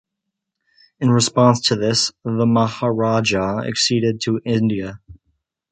In response to this, the Maharaja acceded to India.